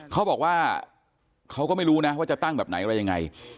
เขาบอกว่าเขาก็ไม่รู้นะว่าจะตั้งแบบไหนอะไรยังไง